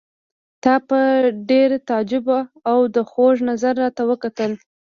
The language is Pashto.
تا په ډېر تعجب او خوږ نظر راته وکتل.